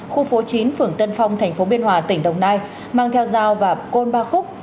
khu phố chín phường tân phong tp biên hòa tỉnh đồng nai mang theo dao và côn ba khúc